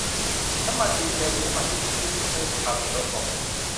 น้ำมันดีเซลเป็นน้ำมันที่ถูกที่สุดเนื่องจากภาษีลดลง